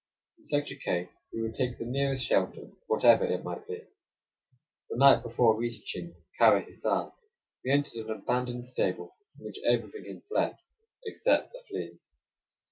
In such a case we would take the nearest shelter, whatever it might be. The night before reaching Kara Hissar, we entered an abandoned stable, from which everything had fled except the fleas.